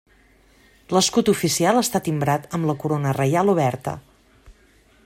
L'escut oficial està timbrat amb la corona reial oberta.